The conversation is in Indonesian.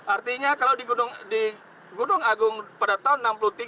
artinya kalau di gunung agung pada tahun seribu sembilan ratus tiga puluh